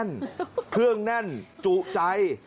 อ่ะเครื่องนั่นจุใจ